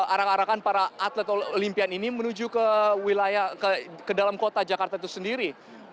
arak arakan para atlet olimpiade ini menuju ke dalam kota jakarta itu sendiri